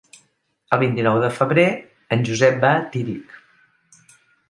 El vint-i-nou de febrer en Josep va a Tírig.